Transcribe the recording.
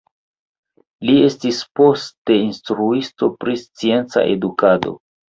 Li estis poste instruisto pri scienca edukado.